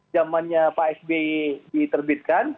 jamannya pak sb diterbitkan